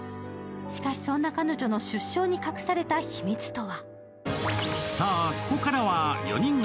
しかし、そんな彼女の出生に隠された秘密とは。